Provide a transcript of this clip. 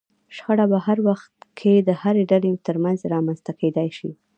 شخړه په هر وخت کې د هرې ډلې ترمنځ رامنځته کېدای شي.